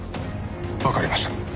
わかりました。